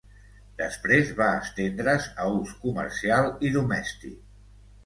Després va estendre's a ús comercial i domèstic.